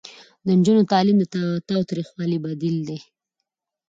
د نجونو تعلیم د تاوتریخوالي بدیل دی.